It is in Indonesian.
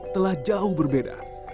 telah jauh berbeda